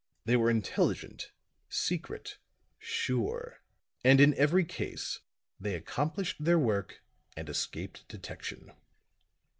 They were intelligent, secret, sure. And in every case they accomplished their work and escaped detection."